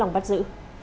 lòng bắt giữ